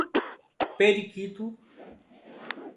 Periquito